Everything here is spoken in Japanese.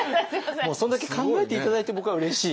もうそんだけ考えて頂いて僕はうれしい。